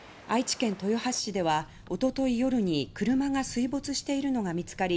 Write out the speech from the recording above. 愛知県豊橋市では一昨日夜に車が水没しているのが見つかり